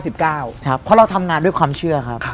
เพราะเราทำงานด้วยความเชื่อครับ